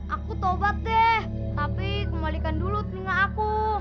aku taubat deh tapi kembalikan dulu telinga aku